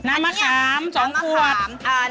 น้ำมะขาม๒ขวด